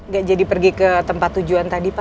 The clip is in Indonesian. gak jadi pergi ke tempat tujuan tadi pak